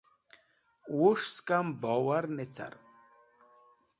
Wus̃h sẽkam bowar ne carẽm.